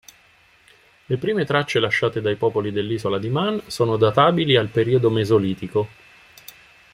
Le prime tracce lasciate dai popoli dell'Isola di Man sono databili al periodo mesolitico.